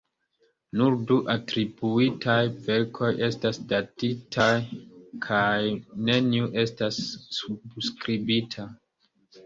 Nur du atribuitaj verkoj estas datitaj, kaj neniu estas subskribita.